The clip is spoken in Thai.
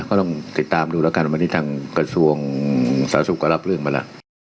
ก็ต้องติดตามดูแล้วกันวันนี้ทางกระทรวงสาธารณสุขก็รับเรื่องมาแล้ว